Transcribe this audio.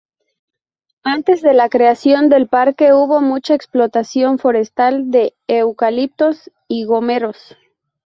Antes de la creación del parque hubo mucha explotación forestal de eucaliptos y gomeros.